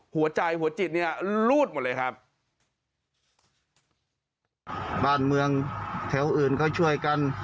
หัวใจหัวจิตเนี่ยรูดหมดเลยครับบ้านเมืองแถวอื่นเขาช่วยกัน